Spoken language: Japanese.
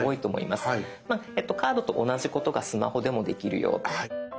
まあカードと同じことがスマホでもできるよと。